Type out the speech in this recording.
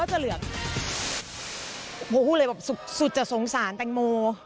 โหเลยสุดจะสงสารแตงโม